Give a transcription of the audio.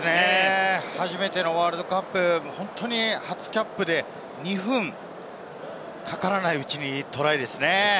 初めてのワールドカップ、本当に初キャップで２分かからないうちにトライですね。